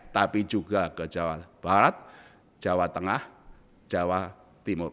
tapi juga ke jawa barat jawa tengah jawa timur